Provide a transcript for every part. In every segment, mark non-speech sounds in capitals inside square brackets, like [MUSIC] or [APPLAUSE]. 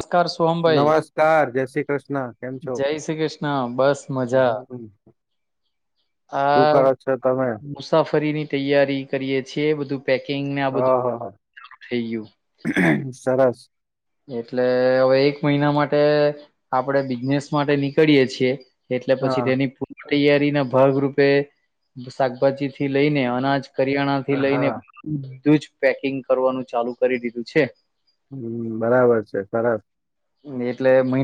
નમસ્કાર સોહમભાઈ નમસ્કાર જય શ્રી કૃષ્ણ કેમ છો જય શ્રી કૃષ્ણ બસ મજા [INAUDIBLE] આ કરો છો તમે મુસાફરીની તૈયારી કરીએ છીએ બધું પેકિંગને આ બધું ઓહ થઈ ગયું સરસ. એટલે હવે એક મહિના માટે આપડે બિઝનેસ માટે નીકળીય છીએ એટલે પછી હા તેની પૂર્ણ તૈયારી ના ભાગરૂપે શાકભાજીથી લઈને અનાજ કરિયાણા થી લઈને હા બધું જ પેકિંગ કરવાનું ચાલુ કરી દીધું છે. હમ બરાબર છે સરસ એ. [INAUDIBLE]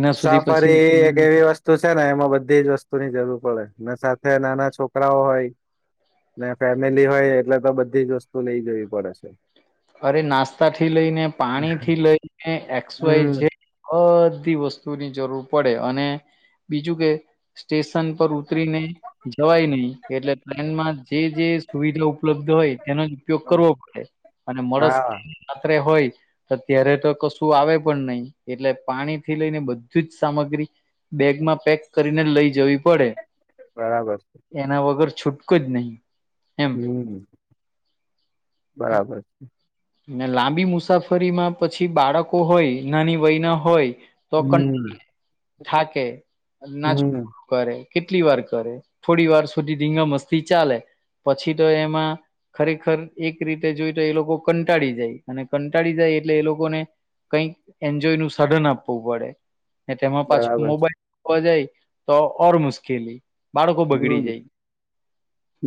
મુસાફરી એક એવી વસ્તુ છે ને એમાં બધી જ વસ્તુ ની જરૂર પડે અને સા નાના છોકરાઓ હોય. ફેમિલી હોય એટલે તો બધી જ વસ્તુ લઈ જવી પડે છે. અરે નાસ્તા થી લઈને પાણી થી લઈને એક્સ વાય હમ ઝેડ બધી વસ્તુની જરૂર પડે અને બીજું કે સ્ટેશન પર ઉતરીને જવાય નહી એટલે ટ્રેનમાં જે જે સુવિધા ઉપલબ્ધ હોય તેનો જ ઉપયોગ કરવો પડે અને મળસ હા હોય તો ત્યારે તો કશું આવે પણ નહી એટલે પાણી થી લઈને બધીજ સામગ્રી બેગ માં પેક કરીને લઈ જ જવી પડે બરાબર છે. એના વગર છૂટકો જ નહીં. એમ હમ બરાબર છે. ને લાંબી મુસાફરીમાં પછી બાળકો હોય નાની વય ના હોય તો કં હમ થાકે અને નાચ હમ કરે કેટલી વાર કરે થોડી વાર સુધી ધીંગા મસ્તી ચાલે પછી તો એમાં ખરેખર એક રીતે જોઈ તો એ લોકો કંટાળી જાય અને કંટાળી જાય એટલે એ લોકોને કઈક એન્જોય નું સાધન આપવું પડે તેમાં પાછું બરાબર મોબાઈલ જોવા જાય તો ઓર મુશ્કેલી બાળકો બગડી હમ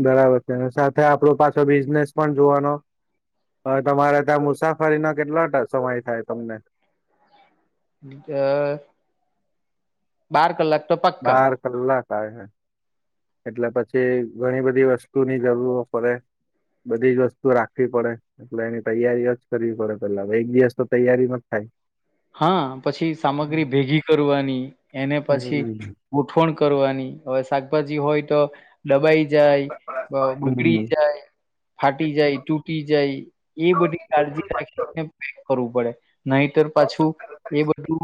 બરાબર છેને સાથે આપડો પાછો બી બિઝનેસ પણ જોવાનો હા તમારે ત્યાં મુસાફરીના કેટલો સમય થાય તમને બાર કલાક તો પક્કા બાર કલાક આવે એટલે પછી જે ઘણી બધી વસ્તુની જરૂરો પડે બધી જ વસ્તુ રાખવી પડે એટલે એની તૈયારી જ કરવી પડે પેલા એક દિવસ તો તૈયારીમાં જ થાય હા પછી હમ સામગ્રી ભેગી કરવાની એને પછી હમ. ગોઠવણ કરવાની હવે શાકભાજી હોય તો ડબાઈ જાય બગડી જાય ફાટી જાય તૂટી જાય એ બધી કાળજી રાખીને પેક કરવું પડે નહીતર એ બધું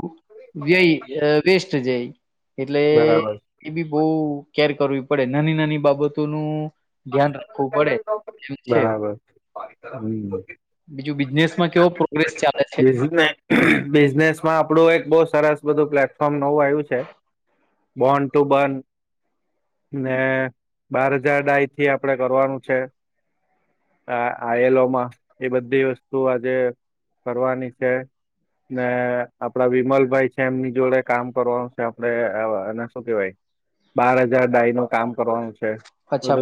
વ્યય વેસ્ટ જાય એટલે બરાબર એ બી બહું કેર કરવી પડે નાની નાની બાબતોનું ધ્યાન રાખવું પડે એમ છે બરાબર હમ બીજું બિઝનેસમાં કેવો પ્રોગ્રેસ ચાલે છે? બિઝનેસ માં આપણું એક બહુ સરસ બધું પ્લેટફોર્મ નવું આવ્યું છે બોર્ન ટુ બર્ન ને બાર હજાર ડાય થી આપડે કરવાનું છે આ આ એલોમાં એ બધી વસ્તુ આજે ભરવાની છે ને આપડા વિમલભાઈ છે એમની જોડે કામ કરવાનું છે આપડે અને શું કેવાય બાર હજાર ડાય નું કામ કરવાનું છે બધો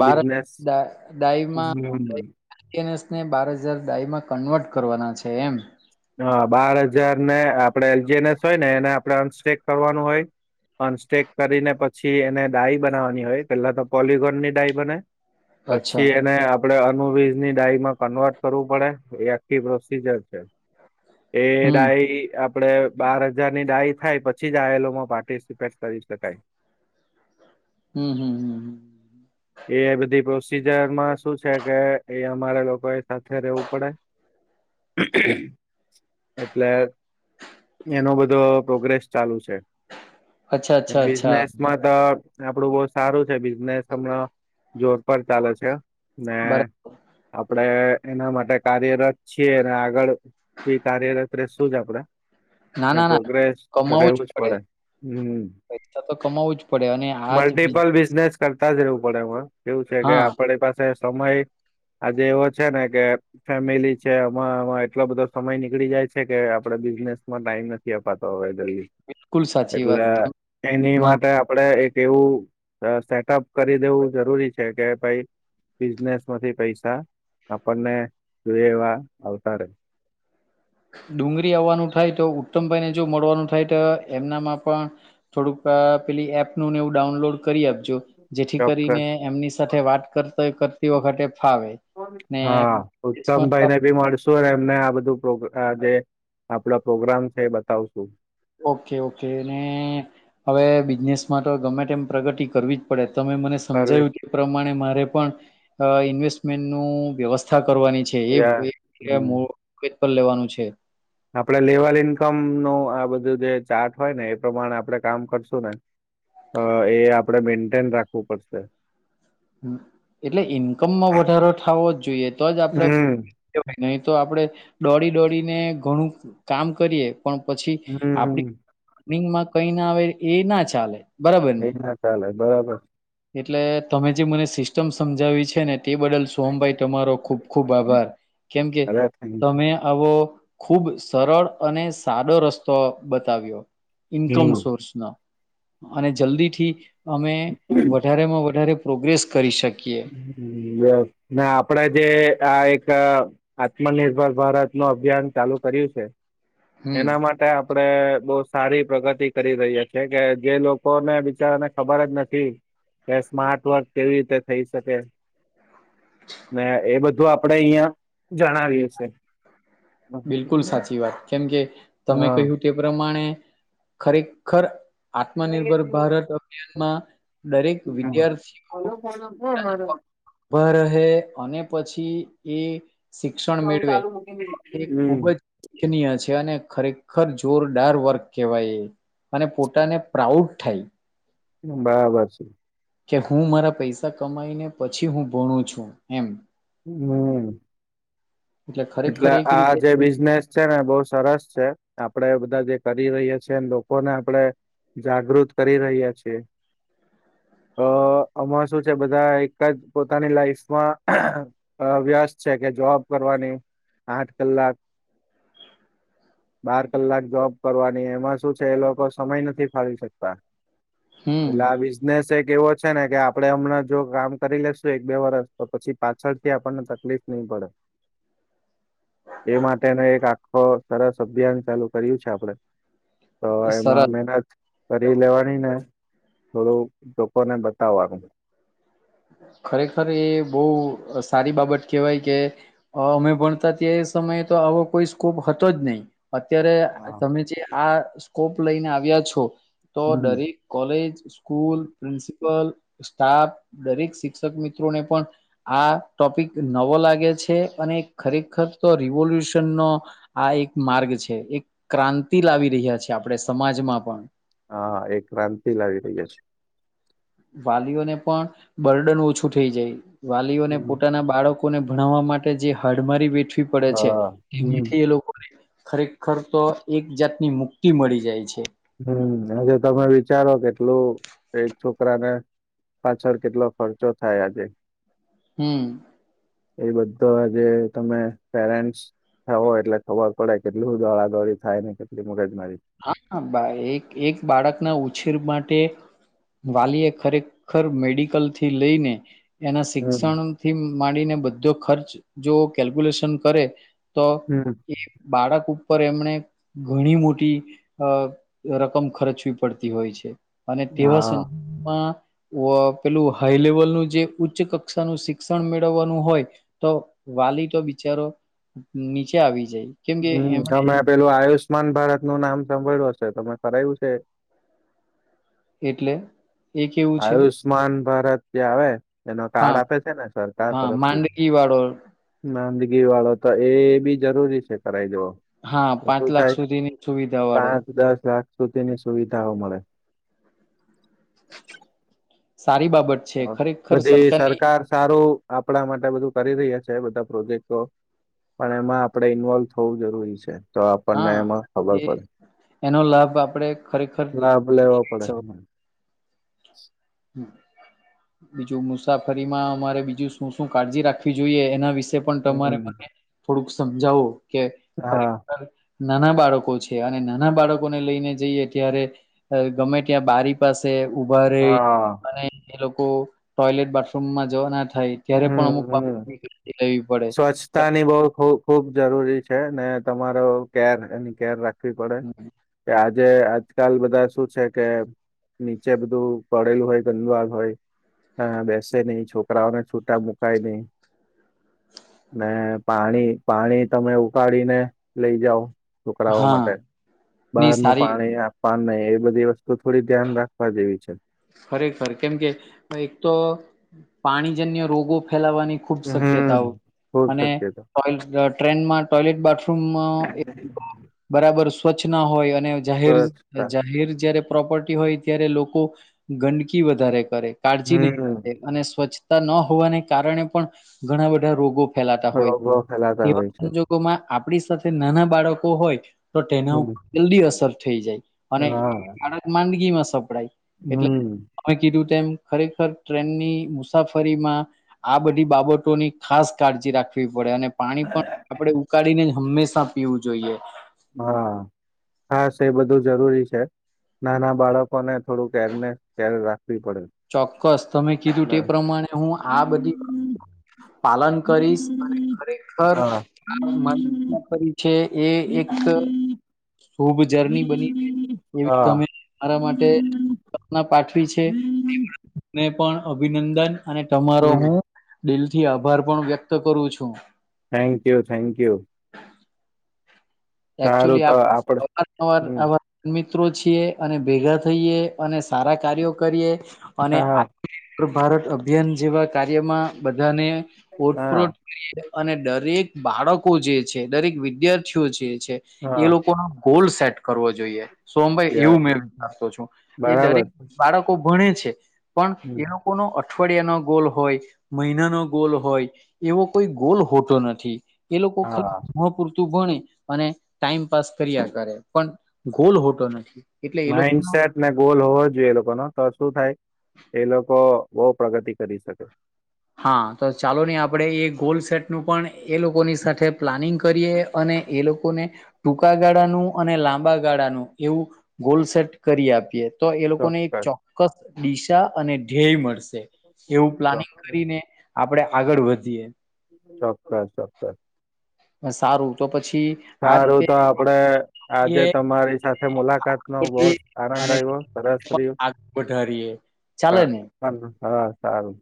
દા ડાઈવમાં [INAUDIBLE] બાર હજાર ડાય માં કન્વર્ટ કરવાના છે એમ હા બાર હજાર ને આપડે એલજી એનએસ હોય ને એને આપડે અનસ્ટેક કરવાનું હોય અન્સ્ટેક કરીને પછી એને ડાઈ બનાવાની હોય પેલા તો પોલીગોન ની ડાઈ બને અચ્છા પછી એને આપણે અનુવઝ ની ડાયમાં કન્વર્ટ કરવું પડે એ આખી પ્રોસીજર છે એ હમ દાાય આપડે બાર હજાર ની ડાય થાય પછી જ આ એલમાં પાર્ટિસિપેટ કરી શકાય [INAUDIBLE] હમ હમ હમ હ એ બધી પ્રોસીજરમાં શું છે કે એ અમારે લોકો એ સાથે રહેવું પડે. એટલે એનો બધો પ્રોગ્રેસ ચાલુ છે. અચ્છા અચ્છા અચ્છા બિઝનેસમાં તો આપડું બહુ સારું છે બિઝનેસ હમણા જોર પર ચાલે છે. ને બરા એ એના માટે કાર્યરત છીએ અને આગળ એ કાર્યરત રેશું જ આપણેે. ના ના ના પ્રોગ્રેસ કમાવું રહેવું જ પડે હમ પૈસા તો કમાવું જ પડે અને આજ બી મલ્ટિપલ બિઝનેસ તા જ રહેવું પડે એમાં કેવું છે કે હા આપણી પાસે સમય આજે એવો છે ને કે ફેમિલી છે આમાંમાં એટલો બધો સમય નીકળી જાય છે કે આપડે બિઝનેસ માં ટાઈમ નથી અપાતો હવે જલ્દી બિલકુલ સાચી વાત એટલે છે એની માટે આપડે એક એવું સેટઅપ દેવું જરૂરી છે કે ભાઈ બિઝનેસ માંથી પૈસા આપણને જોઈ એવા આવતા રે. ડુંગરી આવવાનું થાય તો ઉત્તમભાઈને જો મળવાનું થાય ત એમનામાં પણ થોડુંક પેલી એપનું ને એવું ડાઉનલોડ કરી આપ જેથી કરીને ચોક્કસ એમની સાથે વાત કરતે કરતી વખતે ફાવે ને હા બિઝનેસમાં તો ઉત્તમભાઈને આપણે ભી મળશુ એમને આ બધું પ્રોગ આ જે આપણા પ્રોગ્રામ છે એ બતાવશું. ઓકે ઓકે અને હવે બિઝનેસમાં તો ગમે તેમ પ્રગતિ કરવી જ પડે. તમે મને સર્વિસ સમજાયું તે પ્રમાણે મારે પણ ઇન્વેસ્ટમેન્ટનું વ્યવસ્થા કરવાની છે એ યસ. હમ [UNINTELLIGIBLE] પર લેવાનું છે. આપડે લેવલ ઈન્કમ નું આ બધું જે ચાર્ટ હોય ને એ પ્રમાણે આપણેે કામ કરશું ને અ એ આપણેે મેન્ટેન રાખવું પડશે. એટલે ઈન્કમમાં વધારો થવો જ જોઈએ તો જ આપડે હમ નહી તો આપણેે દોડી દોડીને ઘણું કામ કરીએ. પણ પછી હમ આપડી હમ રનિંગમાં કઈ ના આવે એ ના ચાલે બરાબર એ ને ના ચાલે બરાબર. એટલે તમે જે મને સિસ્ટમ સમજાવી છે ને તે બદલ સોહમભાઈ તમારો ખુબ ખુબ આભાર કેમકે અરે થેન્ક તમે આવો ખુબ સરળ અને સાદો રસ્તો બતાવ્યો ઈન્કમ યુ. સોર્સ નો અને જલ્દીથી અમે હમ માં વધારે પ્રોગ્રેસ કરી શકે. [UNINTELLIGIBLE] ને આપડે જે આ એક આત્મનિર્ભર ભારત નું અભિયાન ચાલુ કર્યું છે હમ એના માટે આપણે બહુ સારી પ્રગતિ કરી રહ્યા છે કે જે લોકોને બિચારાને ખબર જ નથી કે સ્માર્ટ વર્ક કેવી રીતે થઈ શકે. ને એ બધું આપડે અહિયાં જણાવીએ છે. બિલકુલ સાચી વાત કેમ કે તમે હા કહ્યું તે પ્રમાણે ખરેખર. આત્મનિર્ભર ભારત અભિયાનમાં દરેક વિદ્યાર્થીઓ [UNINTELLIGIBLE] ભ રહે અને પછી એ શિક્ષણ મેળવે એ હમ ખૂબ જ ઉલ્ખનીય છે અને ખરેખર જોરદાર વર્ક કહેવાય એ અને પોતાને પ્રાઉડ થાય. બરાબર છે. કે હું મારા પૈસા કમાઈને પછી હું ભણું છું એમ હમ. એટલે ખરેખર એક આ રીતે જે બિઝનેસ છે ને બહુ સરસ છે આપડે બધા કરી રહ્યા છે ન લોકોને આપડે જાગૃત કરી રહ્યા છીએ. અ આમાં શું છે બધા એક જ પોતાની લાઈફમાં અ વ્યાસ છે કે જોબ કરવાની આઠ કલાક બાર કલાક જોબ કરવાની એમાં શું છે એ લોકો સમય નથી ફાળવી શકતા. હમ એટલે આ બિઝનેસ એક એવો છે ને કે આપણે હમણાં જો કામ કરી લેશું એક બે વર્ષ તો પછી પાછળથી આપણને તકલીફ નહીં પડે. એ માટેનો એક આખો સરસ અભિયાન ચાલુ કર્યુ છે આપણે. તો એમાં સરસ મહેનત કર કરી લેવાની ને થોડુંક લોકોને બતાવાનું. ખરેખર એ બહુ અ સારી બાબત કેહેવાય કે અમે ભણતા ત્યાં એ સમ મય તો આવો કોઈ સ્કોપ હતો જ નહીં. અત્યારે તમે જે આ સ્કોપ લઈને આવ્યા છો. તો દરેક કોલેજ, સ્કૂલ, પ્રિન્સિપલ, સ્ટાફ દરેક શિક્ષક મિત્રોને પણ આ ટોપિક નવો લાગે છે. અને ખરેખર તો રીવો લ્યુશનનો આ એક માર્ગ છે. એક ક્રાંતિ લાવી રહ્યા છે, આપણે સમાજમાં પણ. હા હા, એક ક્રાંતિ લાવી રહયા છે. વાલીઓને પણ બર્ડન ઓછું થઈ જાય. વાલીઓને છે પોતાના બાળક કોને ભણાવવા માટે જે હાડમારી વેઠવી પડે છે, હા હમ એથી એ લોકોને ખરેખર તો એક જાતની મુક્તિ મળી જાય છે. હમ, આજે તમે વિચારો કેટલું એક છોકરાને પાછળ કેટલો ખર્ચો થાય આજે. હમ એ બધો આજે તમે પેરેન્ટસ થવો એટલે ખબર પડે કેટલું દોડાદોડી થાય ને કેટલી મગજ હા, બાઈ એક એક બાળકના ઉ ઉછેર માટે વાલીએ ખરેખર મેડિકલથી લઈને એના હમ શિક્ષણથી માંડીને બધો ખર્ચ જો કેલ્ક્યુલેશન કરે તો હમ એ બાળક ઉપર એમણે ઘણી મોટી અ રકમ ખર્ચવી પડતી હોય છે. અને તેવા હા સંગમાં વ પેલું હાઈ લેવલનું જે ઉચ્ચ-કક્ષાનું શિક્ષણ મેળવવાનું હોય તો વાલી તો બિચારો નીચે આવી જાય. કેમ કે હમ એમણે તમે પેલું આયુષમાન ભારતનું નામ સાભળ્યું હશે. તમે કરાયવુ છે એ? એટલે? એ કેવું છે આયુષ્માન ભારત જે આવે એનો કાર્ડ હા આપે છે ને સરકાર હા તરફથી માંદગી વાળો માંદગીવાળો તો એ બી જરૂરી છે કરાઈ દેવો. હા તો પાંચ શું લાખ થાય? સુધીની સુવિધા વાળો પાંચ-દસ લાખ સુધીની સુવિધાઓ મળે. સારી બાબત છે હ ખરેખર બધી સરકારની સરકાર સારું આપણા માટે બધું કરી રહ્યા છે બધા પ્રોજેક્ટો. પણ એમાં આપડે ઈન્વોલ્વ થવું જરૂરી છે, તો આપણને હા એમાં ખબર એ પડે. એનો લાભ આપડે ખરેખર છો. હ [UNINTELLIGIBLE] હમ બીજું મુસાફરીમાં અમારે બીજું શું શું કાળજી રાખવી જોઈએ એના વિશ શે પણ તમારે હમ મને થોડુંક સમજાવો કે હા ખરેખર નાના બાળકો છીએ અને નાના બાળકોને લઈને જઈએ ત્યારે અ ગમે ત્યાં બારી પાસે ઉભા રેય હા અને એ લોકો ટોયલેટ બાથરૂમમાં જવાના થાય ત્યારે પણ હમ અમુક હમ બા [INAUDIBLE] સ્વચ્છતાની બો ખૂબ ખૂબ જરૂરી છે ને તમારો કેર એની કેર રાખ વી પડે કે આજે આજ કાલ બધા શું છે કે નીચે બધું પડેલું હોય ગંદુવાલ હોય તા બેસે નહી છોકરાઓને છૂટા મુકાય નહી ને પાણી પાણી તમે ઉકાળી ને લેઈ જાવ. છોકરાઓ હા માટે ની બહારનું સારી પાણી આ પાન નહી એ બધી વસ્તુ થોડી ધ્યાન રાખવા જેવી છે. ખરેખર કેમ કે એક તો પાણીજન્ય રોગો ફેલાવવાની ખુબ શક્યતાઓ હમ ખૂબ અને શક્યતા ટોય ટ્રેનમાં ટોયલેટ બાથરૂમમાં એ બરાબર સ્વચ્છ ના હોય અને જાહેર સ્વચ્છતા જાહેર જયારે પ્રોપર્ટી હોય ત્યારે લોકો ગંદકી વધારે કરે કાળજી નહીં હમ કરે અને સ્વચ્છ તા ન હોવાને કારણે પણ ઘણા બધા રોગો ફેલાતા હોય છે રોગો ફેલાતા તેવા હોય છે સંજોગોમાં આપણી સાથે નાના બાળકો હોય તો તેના હમ ઉપર જલ્દી અસર થઈ જાય. અને હા બાળક માંદગીમાં સપડાય એટલે હમ અમે કીધુંતુ તેમ ખરેખર ટ્રેનની મુસાફરીમાં આ બધી બાબતોની ખાસ કાળજી રાખે રાખવી પડે અને પાણી પણ આપડે ઉકાળીને જ હંમેશા પીવું જોઈએ હા હાસ એ બધું જરૂરી છે નાના બાળકોને થોડું કેરને ક્યારે રાખવી પડે ચોક્કસ તમે કીધું તે ને પ્રમાણે હું આ બધી પાલન કરીશ અને ખરેખર હા આપણું મન કર્યુ છે એ એકઅ શુભ જર્ની બની એવી હા તમે મારા માટે સ્પના પાઠવી છે તેમાં પણ અભિનંદન અને તમારો હમ હું દિલથી આભાર પણ વ્યક્ત કરું છું થેન્ક યુ થેન્ક યુ સારું એક્ચુઅલી તો આપ આપડ અવારનવાર હમ આવા મી મિત્રો છીએ અને ભેગા થઈએ અને સારા કાર્યો કરીએ અને હા હા આટ ભારત અભિયાન જેવા કાર્યમાં બધાને હા ઓટપ્રોટ કરીએ અને દરેક બાળકો જે છે દરેક વિદ્યાર્થીઓ જે છે એ હા લોકો ના ગોલસ સેટ કરવો જોઈએ સોમભાઈ યાર એવું મે વિચારતો છું એ બરાબર દરેક બાળકો ભણે છે પણ હમ એ લોકો નું અ અઠવાડિયાનો ગોલ હોય મહિના નો ગોલ હોય એવો કોઈ ગોલ હોતો નથી એ લોકો ખલ હા ભણવા પૂરતું ભણે અને ટાઈમ પાસ કર્યા કરે પણ ગોલ હોતો નથી એટલે એ લોકો માઈન્ડસેટ ને ગોલ હોવો જોઈએ એ લોકો નો તો શું થાય એ લોકો બહુ પ્રગતિ કરી શકે હા તો ચાલો નહી આપણે એ ગોલ સેટ નું પણ એ લોકોની સાથે પ્લાનિંગ કરીએ અને એ લોકોને ટૂંકા ગાળાનું અને લાંબા ગાળાનું એવું ગોલસેટ કરી આપીએ તો એ લોકોને એક ચોક્કસ ચોક્કસ દિશા અને ધ્યેય મળશે એવું પ્લાનિંગ ચોક્કસ કરીને આપણે આગળ વધીએ ચોક્કસ ચોક્કસ સારું તો પછી આ સારું રીતે તો આપડે આજે તમારી સાથે સાથે મુલાકાત નો બહુ જ આનંદ અને આવ્યો સરસ રહ્યું ચાલો પ- ને પણ- હા સારું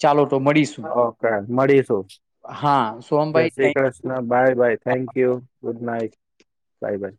ચાલો તો મળીશું ઓકે મળીશું હા સોહમભાઈ જેસી thank you Krishna bye bye thank you good night bye by